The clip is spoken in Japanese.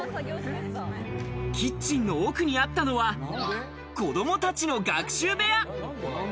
キッチンの奥にあったのは子供たちの学習部屋。